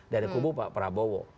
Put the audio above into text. dari kubu pak prabowo